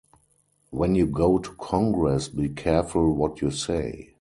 When you go to Congress, be careful what you say.